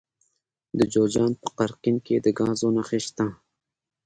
د جوزجان په قرقین کې د ګازو نښې شته.